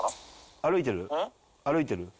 歩いてる？